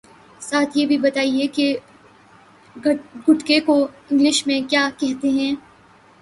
ساتھ یہ بھی بتائیے کہ گٹکے کو انگلش میں کیا کہتے ہیں